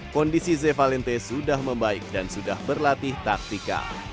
kondisi ze valente sudah membaik dan sudah berlatih taktika